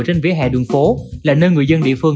trên vỉa hè đường phố là nơi người dân địa phương